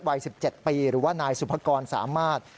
วัย๑๗ปีหรือว่านายสุภกรสามารถ